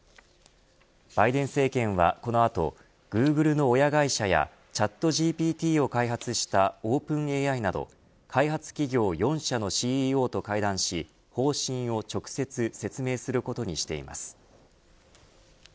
バイデン政権はこの後グーグルの親会社やチャットＧＰＴを開発したＯｐｅｎＡＩなど開発企業４社のＣＥＯと会談し方針を直接説明することにしています。